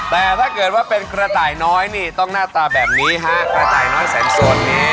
แต่ถ้าเกิดว่าเป็นกระต่ายน้อยนี่ต้องหน้าตาแบบนี้ฮะกระต่ายน้อยแสนสนนี้